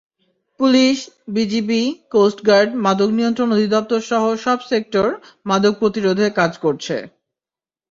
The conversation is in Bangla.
পুলিশ, বিজিবি, কোস্টগার্ড, মাদক নিয়ন্ত্রণ অধিদপ্তরসহ সব–সেক্টর মাদক প্রতিরোধে কাজ করছে।